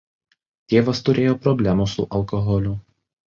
Tėvas turėjo problemų su alkoholiu.